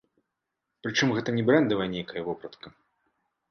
Прычым гэта не брэндавая нейкая вопратка.